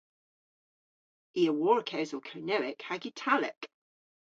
I a wor kewsel Kernewek hag Italek.